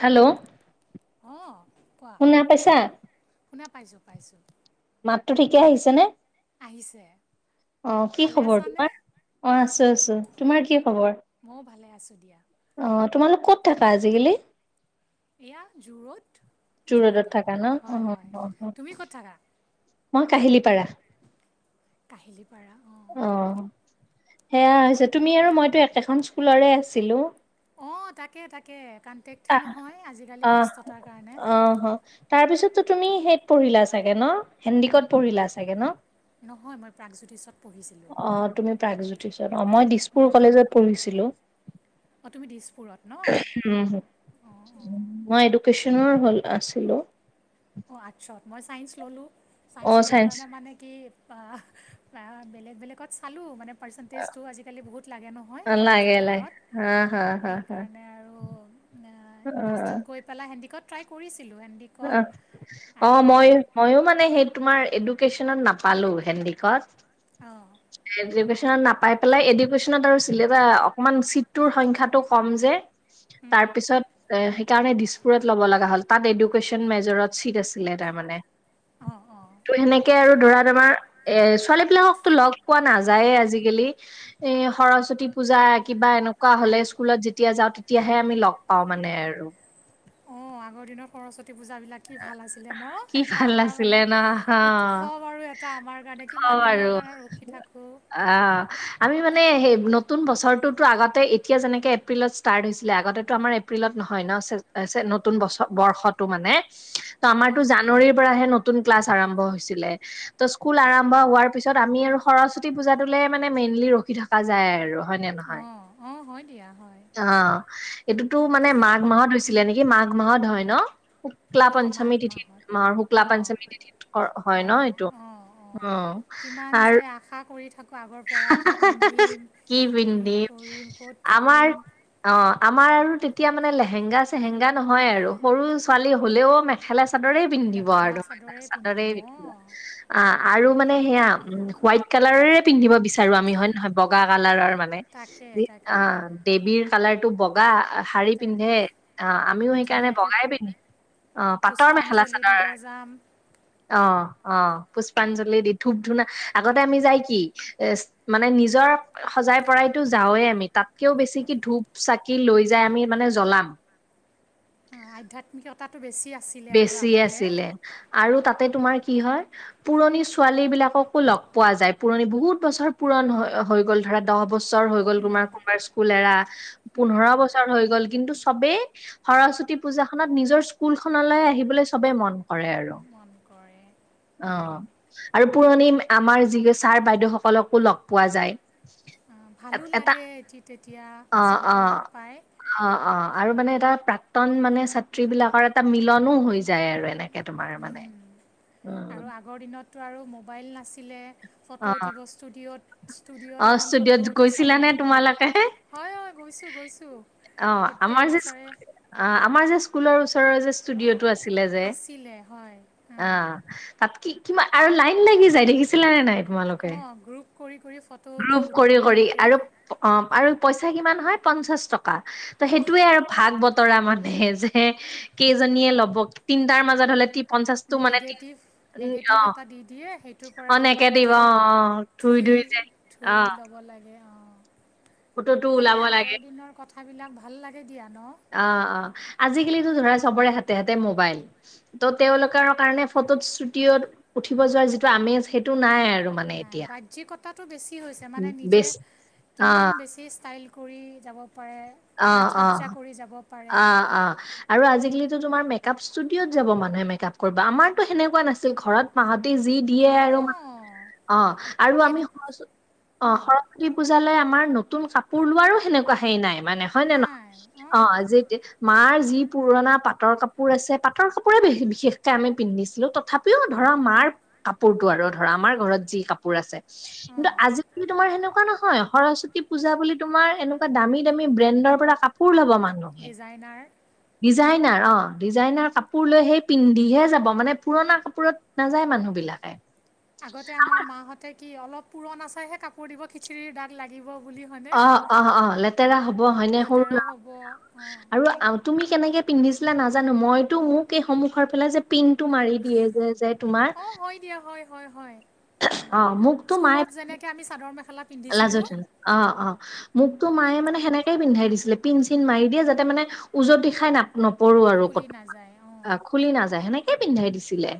Hello! অ' কোৱা, শুনা পাইছা শুনা পাইছো- পাইছো। মাতটো ঠিকে আহিছে নে? আহিছে। অ 'কি ভালে খবৰ আছানে তোমাৰ? অ' আছো- আছো, তোমাৰ কি অঁ খবৰ? ময়ো ভালে আছোঁ দিয়া অ' তোমালোক ক'ত থাকা আজিকালি? এয়া জু ৰড। জু ৰোডত থাকা ন, অহ অ'- অ', তুমি মই কাহিলিপাৰা। কাহিলি অ' সেয়া তুম হৈছে তুমি আৰু মইতো একেখন স্কুলৰে আছিলো। অ', তাকে-তাকে অ কাণ্টেকটহে নহয় আজিকালি অ ব্যস্ততাৰ কাৰণে। টো তুমি সেইত পঢ়িলা চাগে ন হেণ্ডিকত পঢ়িলা চাগে ন? নহয় মই প্ৰাগজ্যোতিছত পঢ়িছিলোঁ। প্ৰাগজ্যোতিচত অ', মই দিছপুৰ কলেজত পঢ়িছিলো। অঁ তুমি দিছপুৰত ন উম, মই এদুকেছ। নৰ হ'ল আছিলো। অ', আৰ্টছৰ, মই ছাইন্ঞ্চ ল'লোঁ। চাইন্স লোৱা কাৰণে মানে কি অ' আ বেলেগ বেলেগত চালো মানে। পাৰ্চেণ্টেজটোও আজিকালি বহুত লাগে নহয় লাগে লাগে কলেজবিলাকত। হা হা হা সেই হা কাৰণে আৰু আ লাষ্টত গৈ পেলাই হেন্দিকত ট্ৰাই কৰিছ। অ' মই ময়ো মানে সেইটো। তোমাৰ এডুকেশ্বনত নাপালোঁ হেণ্ডিকত,। অঁ নাপাই পেলাই এডুকেশ্বনত আৰু চিলেবা অকমান চিটটোৰ সংখ্যাটো কম যে। তাৰ পিছত এ সেইকাৰণে দিছপুৰত ল'ব লগা হ'ল তাত এদু। কেছন মেজৰত চিট আছিলে তাৰমানে। অ'। [unintelligible] ত' সেনেকে আৰু ধৰা তোমাৰ এ ছোৱালী বিলাককতো লগ পোৱা নাযায়ে আজিকালি এ। সৰস্বতী পূজা কিবা এনেকুৱা হলে স্কুলত যেতিয়া যাওঁ তেতিয়াহে আমি লগ পাওঁ মানে আৰু। অ আগৰ দিনৰ খৰচত। পূজা বিলাকে ভাল আছিলে ন কি এটা ভাল আমাৰ আছিলে মানে ন উৎসৱ আৰু এটা আমাৰ কাৰণে কি। অ আৰু অ আমি মা। মানে সেই নতুন বছৰটো আগতে এতিয়া যেনেকে এপ্ৰিলত ষ্টাৰ্ট হৈছিলে আগতেটো আমাৰ এপ্ৰিলত নহয় ন। নতুন বছৰ নতুন বৰ্ষটো মানে অঁ আমাৰটো জানুৱাৰী পৰাহে। নতুন ক্লাছ আৰম্ভ হৈছিলে ত স্কুল আৰম্ভ হোৱাৰ পিছত আমি আৰু সৰস্বতী পূজা তোলে মানে। ৰখি থাকা যায় আৰু হয় নে নহয়। অঁ অঁ হয় দিয়া হয় অ এইটোতো মানে মাঘ মাহত হৈছিলে নেকি মাঘ। মাহত হয় ন। শুক্লা অঁ মাঘ পঞ্চমী তিথিত মাহত আমাৰ শুক্লা অঁ পঞ্চমী তিথিত হয় ন এইটো উ। ইমান যে আশা কৰি থাকো। আগৰ পৰা কি পিন্ধিম কি কৰিম ক'ত আমাৰ ফুৰিম। অ' আমাৰ আৰু তেতিয়া মানে লেহেংগা চেহেংগা নহয় আৰু সৰু ছোৱালী হ'লেও মেখেলা। চাদৰে পিন্ধিব মেখেলা আৰু চাদৰে পিন্ধিম পিন্ধিব অঁ অ আৰু মানে সেয়া উম হোৱাইট। কালাৰৰে। পিন্ধিব বিচাৰো আমি হয় নে নহয় বগা কালাৰ মানে তাকে যি তাকে দেৱী কালাৰ। টো বগা শাৰী পিন্ধে তাকে অ আমিও সেইকাৰণে ধুনীয়াকৈ বগাই পিন্ধিম। অ পাটৰ মেখেলা পুষ্পাঞ্জলি চাদৰ দিব যাম অ। অ পুষ্পাঞ্জলি দি ধূপ ধূনা আগতে আমি যায় কি। এ মানে নিজৰ সজাই পৰাইতো যাওৱে আমি তাতকেও বেছি কি ধূপ চাকি লৈ। লৈ যাই আমি মানে জ্বলাম। অ আধ্যাত্মিকতাটো বেছি। আছিলে আৰু বেছি আগতে আছিলে আৰু তাত। তাতে তোমাৰ কি হয় পুৰণি ছোৱালী বিলাককো লগ পোৱা যায় পুৰণি বহুত বছৰ পুৰণ। হৈ গল ধৰা দহ বছৰ হৈ গল তোমাৰ কবাৰ স্কুল এৰা পোন্ধৰ বছৰ হৈ গ'ল কিন্তু চব। সবে সৰস্বতী পূজাখনত নিজৰ স্কুলখনত। লৈ আহিবলৈ সবে মন কৰে আৰু। প [unintelligible] অ আৰু পুৰণি আমাৰ যি ছাৰ বাইদেউ সকলকো লগ পোৱা যায়। ভালো এটা লাগে এটি তেতিয়া অ অ চবকে লগ পায়। অ অ আৰু মানে এটা প্ৰাক্তন মানে ছাত্ৰী বিলাকৰ এটা মিলনো হৈ যায় আৰু এনেকুৱা। এনেকে তোমাৰ মানে উম। টো আৰু মোবাইল নাছিলে ফটো অ উঠিব ষ্টুডিঅ'। ষ্টুডিঅত অ এখন ফটো ষ্টুডিঅ'ত উটো গৈছিলা চবে নে মিলি তোমালোকে হয় হয় গৈছো গৈছো। অ আমাৰ যে অ আমাৰ যে। স্কুলৰ ওচৰ যে ষ্টুডিঅটো আছিলে যে আছিলে হয় অ। তাত কি কি আৰু লাইন লাগি যায় দেখিছিলা নে নাই তোমালোকে। অঁ গ্ৰুপ কৰি কৰি ফটো উঠোঁ গ্ৰুপ কৰি কৰি গোটেইবিলাকে আৰু আৰু পইচা কিমান হয় পঞ্চাশ টকা। ত সেইটোৱে আৰু ভাগ বত। তৰা মানে যে কেইজনীয়ে লব তিনটাৰ মাজত হলে। পঞ্চাশতটো মানে তি নেগেটিভ নেগেটিভ অ এটা দি দিয়ে সেইটোৰ পৰা অ নকে দিব অ ধুই অ ধুই দি। ধুই যে। অ ধুই ল'ব লাগে। অঁ ফটোটো ওলাব লাগে। কথা বিলাক ভাল লাগে দিয়া ন। অ অ আজিকালিতো ধৰা চবৰে হাতে হাতে মোবাইল ত' তেওঁলোকৰ কাৰণে। ফটো ষ্টুডিঅ উঠিব যোৱাৰ যিটো আমেজ সেইটো নাই আৰু। মানে নাই এতিয়া বাহ্যিকতাটো বেছি হৈছে মানে নিজে বেছ অ কিমান বেছি ষ্টাইল- কৰি যাব। পাৰে অ সাজ অ সজ্জা কৰি যাব পাৰে অ অ আৰু আজিকালিতো তোমাৰ মে। মেকআপ ষ্টুডিঅ'ত যাব মানুহে মেকআপ কৰিব আমাৰতো সেনেকুৱা নাছিল ঘৰত মাহঁতে যি দিয়ে আৰু অঁ অ আৰু এক আমি স। অ অঁ সৰস্বতী পূজালৈ আমাৰ নতুন কাপোৰ লোৱাৰো সেনেকুৱা হে নাই মানে হয় নে নহয়? নাই অহ অ', যে মাৰ যি পুৰণা পাটৰ কাপোৰ আছে পাটৰ কাপোৰে বিশেষকে আমি পিন্ধিছিলো ত তথাপিও ধৰা মাৰ কাপোৰতটো আৰু ধৰা আমাৰ ঘৰত যি কাপোৰ আছে কিন্তু অঁ আজিকালি তোমাৰ সেনেকুৱা নহয় সৰস্বতী পূজা বুলি তোমাৰ এনেকুৱা দামী দামী ব্ৰেণ্ডৰ পৰা কাপোৰ ল'ব মানে ডিজাইনাৰ ডিজাইনাৰ অঁ ডিজাইনাৰ কাপোৰ লৈ সেই পিন্ধিহে যাব মানে পুৰণা কাপোৰত নাযায় মানুহবিলাক। আগতে আমাৰ মাহঁতে কি অলপ পুৰণা চাইহে কাপোৰ দিব খিচিৰীৰ দাগ লাগিব। বুলি হয়নে অ অ অ লেতেৰা হব হয়নে সৰু লেতেৰা হ'ব অঁ লৰা আৰু তুমি কেনেকে। পিন্ধিছিলে নাজানো মইতো মোক সন্মুখত ফালে যে পিনটো মাৰি দিয়ে যে যে, তোমাৰ অ হয় দিয়া হয় হয় হয়। অ মোক তো মায়ে। স্কুলত যেনেকৈ আমি চাদৰ মেখেলা পিন্ধিছিলোঁ লাজত অহ অহ মোক তো মায়ে সেনেকে পিন্ধাই দিছিলে পিন চিন মাৰি দিয়ে যাতে মানে ওজতি খাই নাপ ন। পোৰো আৰু প খুলি নাযায় অঁ আহ খুলি নাযায় সেনেকে পিন্ধাই দিছিলে।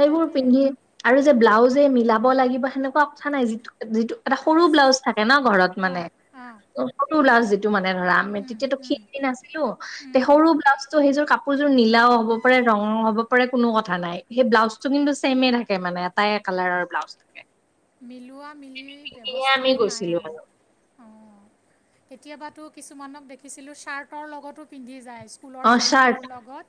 সেইবোৰ তাকে পিন্ধি আৰু যে ব্লাউজে মিলাব লাগিব সেনেকুৱা কথা নাই যিটো। যিটো এটা সৰু ব্লাউজ থাকে ন ঘৰত অঁ মানে। অঁ অ সৰু ব্লাউজ যিটো মানে ধৰা আমি উম, তেতিয়াাতো উম, খিনি নাছিলো তে উম। সৰু ব্লাউজ টো সেইযোৰ কাপোৰ। কাপোৰযোৰ নীলাও হ'ব পাৰে ৰঙও হব পাৰে কোনো কথা নাই সেই ব্লাউজ টো কিন্তু চছেমে থাকে মানে তাই। কালাৰৰ ব্লাউজ থাকে। মিলোৱা মিলি কিনিহে আমি ব্যৱস্থাটো নাই গৈছিলো আৰু অ কেতিয়াবা। তো কিছুমানক দেখিছিলোঁ চাৰ্টৰ লগতো পিন্ধি যায় স্কুলৰ অ চাৰ্ট চাৰ্টটোৰ লগত।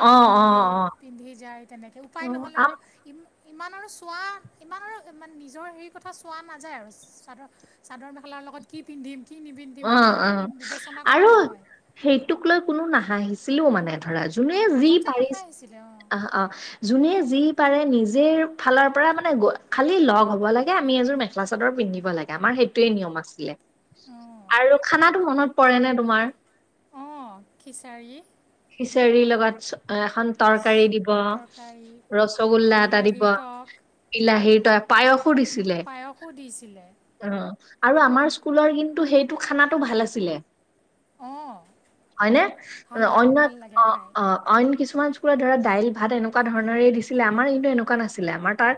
অ অ পিন্ধি অ পিন্ধি যায় তেনেকে উপায় অ নহলে আৰু আম- ইমান। ইমান আৰু চোৱা ইমান আৰু মানে নিজৰ হেৰি কথা চোৱা নাযায় আৰু চাদৰ চাদৰ মেখেলাৰ লগত কি পিন্ধিম। কি নিপিন্ধিম অহ ইমান অহ বিবেচনা কৰা আৰু নহয় সেইটোক লৈ কোনো নাহাঁহিছিলো মানে। ধৰা যোনে যি আগতে নাখাই পাৰিছিল আহিছিলে অঁ অহ অহ যোনে যি। পাৰে নিজে ফালৰ পৰা মানে খালি লগ হব লাগে আমি এযোৰ মেখেলা চাদৰ পিন্ধিব লাগে আমাৰ সেইটোৱে নিয়ম আছিলে অঁ আৰু খানা মনত পৰে নে তোমাৰ অ খিচাৰী। চেৰি লগত এখন তৰকাৰী দিব তৰকাৰী ৰসগোল্লা এটা দিব। বিলাহীৰ টক বিলাহি। প্ৰায়স দিছিলে পায়সো দিছিলে অহ আৰু আমাৰ স্কুলৰ সেই কিন্তু। [unintelligible] খানাটো ভাল আছিলে। অঁ হয়নে। ভাল লাগে অন্য ভাল লাগে অ'! খাই অ'! অইন কিছু কিছুমান স্কুলৰ ধৰা দাইল, ভাত, এনেকুৱা ধৰণৰে দিছিলে। আমাৰ কিন্তু, এনেকুৱা নাছিলে। আমাৰ তাৰ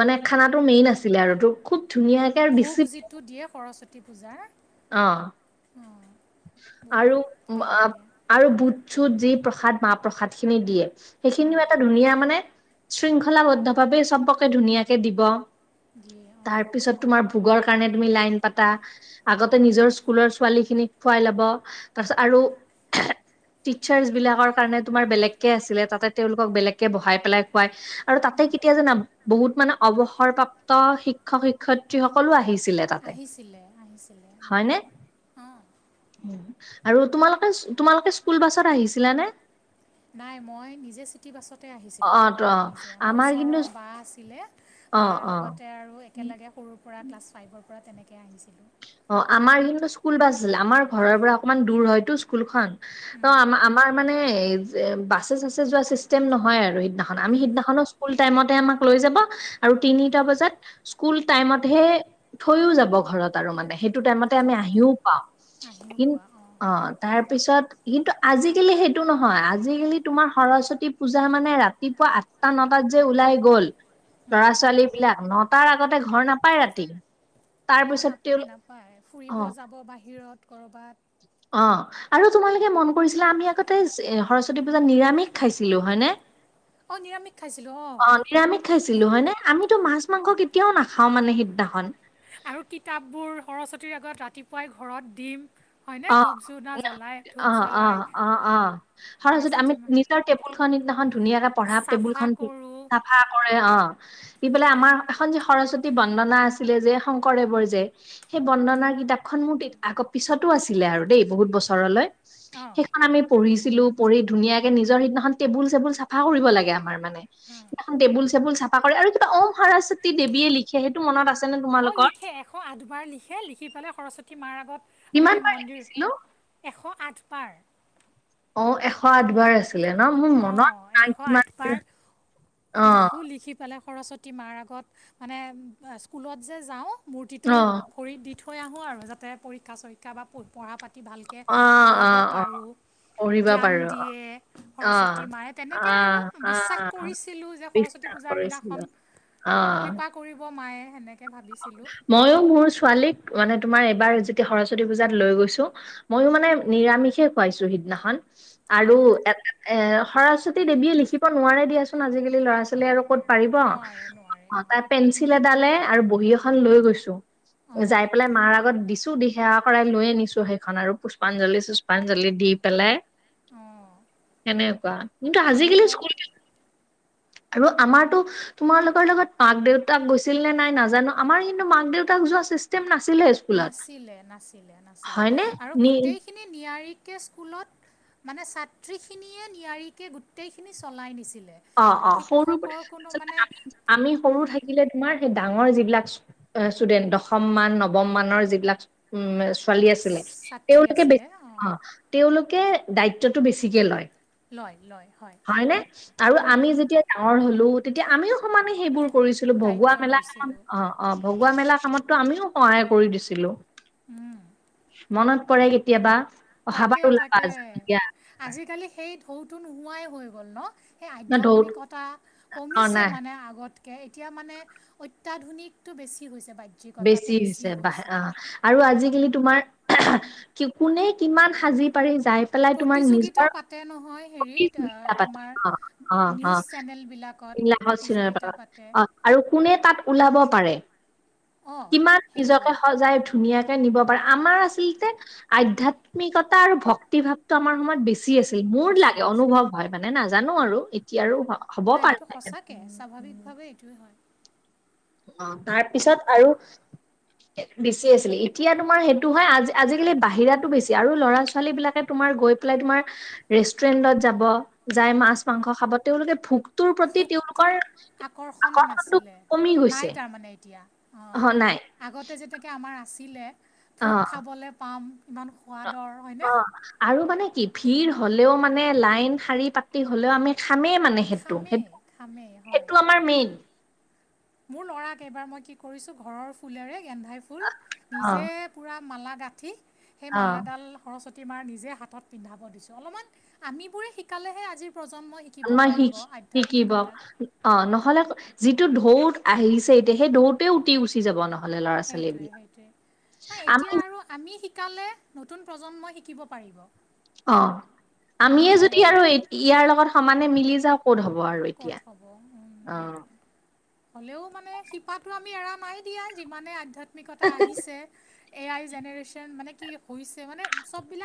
মানে, খানাটো মেইন আছিলে আৰু এইটো খুব ধুনীয়াকে আৰু ডিচিপ্লিন ভোগ যিটো দিয়ে সৰস্বতী পূজাৰ অ'! অঁ বহুত আৰু ভাল লাগে আৰু বুট চুত, যি, প্ৰসাদ মাহ প্ৰসাদ খিনি দিয়ে। সেইখিনিও অঁ এটা ধুনীয়া মানে শৃংখলাবদ্ধ ভাৱে চবকে ধুনীয়াকে দিব। দিয়ে অঁ তাৰ পিছত, তোমাৰ ভোগৰ কাৰনে, তুমি লাইন পাতা। আগতে, নিজৰ স্কুলৰ ছোৱালী খিনিক খোৱাই ল'ব। তাৰপিছত আৰু টিচাৰ্চ বিলাকৰ কাৰণে, তোমাৰ বেলেগকে আছিলে। তাতে, তেওঁলোকক বেলেগকে বহাই পেলাই খুৱাই। আৰু তাতে কেতিয়া জানা বহুত মানে, অৱসৰপ্ৰাপ্ত শিক্ষক শিক্ষয়িত্ৰী সকলো আহিছে। আহিছিলে, আহিছিলে। হয়নে অ'! আৰু তোমালোকে, তোমালোকে স্কুল বাছত আহিছিলা নে? নাই। মই, নিজে চিটি বাছতে আহিছিলোঁ, অ', ত নিজে আমাৰ ওচৰৰ বা আছিলে। অ', বাৰ অ', লগতে আৰু একেলগে সৰুৰ পৰা ক্লাছ ফাইভৰ পৰা তেনেকৈ আহিছিলোঁ। অ'! আমাৰ কিন্তু, স্কুল বাছ আছিলে। আমাৰ ঘৰৰ পৰা অকমান দূৰ হয়তো স্কুলখন। উম, অ'! আমাৰ, আমাৰ মানে, বাছে চাছে যোৱা চিষ্টেম নহয় আৰু। সিদিনাখন, আমি উম। সিদিনাখনো স্কুল টাইমতে আমাক লৈ যাব আৰু তিনিটা বজাত। স্কুল টাইমত হে থৈও যাব ঘৰত আৰু মানে। সেইটো টাইমতে আমি অঁ আহিও পাওঁ। আহিও কিন পোৱা অঁ অ'! তাৰপিছত কিন্তু, আজিকালি সেইটো নহয়। আজিকালি তোমাৰ সৰস্বতী পূজা মানে, ৰাতিপুৱা আঠটা, নটা যে, ওলাই গ'ল ল'ৰা ছোৱালী বিলাক, নটাৰ আগতে ঘৰ নাপায় ৰাতি। তাৰ অ'! পিছত নাপায়, তেওঁলোক নাপায়, অ ফুৰিব যাব বাহিৰত ক'ৰবাত। অ'! আৰু তোমালোকে মন কৰিছিলা? আমি আগতে সৰস্বতী পূজা নিৰামিষ খাইছিলোঁ হয়নে? অঁ নিৰামিষ খাইছিলোঁ অঁ অ'! নিৰামিষ খাইছিলোঁ হয় নে। আমিতো মাছ মাছ, মাংস কেতিয়াও নাখাওঁ মানে সিদিনাখন। আৰু কিতাপবোৰ সৰস্বতীৰ আগত ৰাতিপুৱাই ঘৰত দিম। হয়নে অ' ধূপ ধূনা জ্বলাই ধূপ অ' জ্বলাই অ' অ' অ' অ' সৰস্বতী আমি নিজৰ টেবুল খন সিদিনাখন ধুনীয়াকে পঢ়া টেবুল চাফা খন কৰোঁ চাফা কৰে। অ'! দি পেলাই, আমাৰ এখন যি সৰস্বতী বন্দনা আছিলে যে। শংকৰদেৱৰ যে, সেই বন্দনাৰ কিতাপখন মোৰ আগত পিছতো আছিলে আৰু দেই বহুত বছৰলৈ। অঁ সেইখন আমি পঢ়িছিলোঁ। পঢ়ি ধুনীয়াকে নিজৰ সিদিনাখন টেবুল চেবুল চাফা কৰিব লাগে আমাৰ। মানে, সেদিনাখন টেবুল চেবুল চাফা কৰে আৰু কিবা ওম সৰস্বতী দেৱীয়ে লিখে সেইটো মনত আছে। নে অ'! তোমালোকৰ লিখে। এশ আঠবাৰ লিখে, লিখি পিলে সৰস্বতী মাৰ আগত আমি, কিমান বাৰ মন্দিৰ লিখিছিলো এশ আঠ বাৰ‌ অ'! এশ আঠ বাৰ আছে। আছিলে ন'? মোৰ মনত অঁ এশ নাই কিমান আছিল। আঠবাৰ অ'! লিখোঁ লিখি পেলাই সৰস্বতী মাৰ আগত মানে, স্কুলত যে যাওঁ মূৰ্তিটোৰ অ ভৰি দি থ থৈ আহোঁ আৰু যাতে পৰীক্ষা চৰীক্ষা বা পঢ়া পাতি ভালকৈ অ অ কৰিব অ পাৰোঁ, পঢ়িব জ্ঞান পাৰো অ দিয়ে। অ সৰস্বতী মাই, তেনেকে আৰু আহ বিশ্বাস আহ কৰিছিলোঁ যে, সৰস্বতী বিশ্বাস পূজাৰ দিনাখন কৰিছিলো কৃপা কৰিব মায়ে সেনে মইও মোৰ ছোৱালীক মানে, তোমাৰ এইবাৰ যেতিয়া সৰস্বতী পূজাত লৈ গৈছোঁ, মইয়ো মানে, নিৰামিষে খুৱাইছোঁ সিদিনাখন। আৰু অঁ এটা এ, সৰস্বতী দেৱীয়ে লিখিব নোৱাৰে দিয়াচোন। আজিকালি ল'ৰা ছোৱালী আৰু ক'ত পাৰিব, নোৱাৰে নোৱাৰে অঁ তাই পেঞ্চিল এডালে আৰু বহী এখন লৈ গৈছোঁ। অঁ যাই পেলাই মাৰ আগত দিছোঁ। দি সেৱা কৰাই লৈ আনিছোঁ। সেইখন আৰু পুষ্পাঞ্জলি, সুষ্পাঞ্জলি দি পেলাই। অঁ সেনেকুৱা কিন্তু মোৰ আজিকালি ল'ৰা স্কুল। আৰু আমাৰতো তোমাৰ লগোকৰ লগত মাক দেউতাক গৈছিল নে নাই নাজানো, আমাৰ কিন্তু মাক দেউতাক যোৱা চিষ্টেম না। নাছিলে নাছিলে নাছিলে হয়নে আৰু নি গোটেইখিনি নিয়াৰিক। এতিয়া স্কুলত মানে ছাত্ৰী খিনিয়ে নিয়াৰিকে গোটেই খিনি চলাই নিছিল। অ অ সৰু আ আমি সৰু অঁ, থাকিলে তোমাৰ ডাঙৰ যিবাক ষ্টুডেন্ট দশম মান, নৱম মানৰ যিবিলাক উ ছোৱালী আছিলে, ছাত্ৰী তেওঁলোকেে আছিলে অঁ অ তেওঁলোকে দায়িত্বতটো বেছিকে লয়। লয় লয় হয়। হয়নে? আৰু অঁ আমি যেতিয়া ডাঙৰ হ'লো তেতিয়া আমিও সমানে সেইবোৰ কৰিছিলো, দায়িত্ব ভগুৱা মেলা সমান লৈছিলোঁ অ অ। ভগুৱা মেলা কামততো আমিও সহায় কৰি দিছিলো। উম। মনত পৰে কেতিয়াবা। অহাবাৰ তাকে ওলাবা তাকে, যাম দিয়া আজিকালি সেই ঢৌটো নোহোৱাই হৈ গ'ল ন? সেই ন' দৌৰ আধ্যাত্মিকতা অ', কমিছে নাই মানে আগত। এতিয়া মানে অত্যাধুনিকটো বেছি হৈছে বেছি হৈছে ব অ আৰু আজিকালি তোমাৰ কোনে কিমান সাজি পাৰি যাই পেলাই তোমাৰ প্ৰতিযোগিতা নিজৰ পাতে নহয় হেৰিত প্ৰতিযোগিতা পাতে তোমাৰ অ অ অ নিউজ চেনেলবিলাকত নীলাকত চিনেমা প্ৰতিযোগিতা পাৰত পাতে। অ আৰু কোনে তাত ওলাব পাৰে, অঁ কিমান সেইটোৱে নিজকে সজাই ধুনীয়া নিব পাৰে আমাৰ আচলতে আধ্যাত্মিকতা আৰু ভক্তি ভাৱটো আমাৰ সময়ত বেছি আছিল। মোৰ বেছি লাগে আছে অনুভৱ হয় মানে নাজানো আৰু এতিয়াৰো নাই এইটো সঁচাকে। অ তাৰ পিছত আৰু বেচি আছিলে এতিয়া তোমাৰ সেইটো হয় আজি আজিকালি বাহিৰাতো বেছি আৰু ল'ৰা ছোৱালী বিলাকে তোমাৰ মাৰ গৈ পেলাই তোমাৰ ৰেষ্টুৰেন্টত যাব যাই মাছ মাংস খাব তেওঁলোকে ভোক তোৰ প্ৰতি ভোকটোৰ তেওঁলোকৰ আকৰ্ষণ আকৰ্ষণটো নাছিলে কমি গৈছে। নাই তাৰমানে এতিয়া অ আগতে যেনেকে আমাৰ আছিলে অ ভোক খাবলৈ পাম ইমান সোৱাদৰ হয়নে? অ আৰু মানে কি ভিৰ হ'লেও মানে লাইন শাৰী পাতি হ'লেও আমি খামেই মানে সেইটো খামেই সেইটো খামেই হয় সেইটো আমাৰ মেইন। মোৰ ল'ৰাক এইবাৰ মই কি কৰিছো ঘৰৰ ফুলেৰে গেন্ধাই ফুল অ নিজে মালা গাঠি সেই অ মালাডাল সৰসতী মাৰ নিজে হাতত পিন্ধাব দিছো অলপমান আমিবোৰে শিকালেহে আজিৰ প্ৰজন্মই শিকিব ন শিকি পাৰিব শিকিব আধ্যাত্মিকতা অ নহ'লে যিটো ঢৌ ত আহিছে এতিয়া সেই ঢৌতে উটি উচি যাব নহয়। সেইটোয়ে সেইটোয়ে ন আমি এতিয়া আৰু আমি শ কালে নতুন প্ৰজন্মই শিকিব পাৰিব। অ আমি আমিয়ে যদি যেনেকৈ আৰু ইয়াৰ লগত সমানে মিলি যাওঁ ক'ত হ'ব আৰু ক'ত এতিয়া হ'ব অ। হ'লেও মানে শিপাটো আমি এৰা নাই দিয়া যিমানে আধ্যাত্মিকতা আহিছে। এ আই জেনেৰেশ্যন মানে কি হৈছে মানে চববিলাক